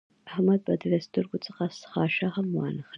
احمد به دې له سترګو څخه خاشه هم وانخلي.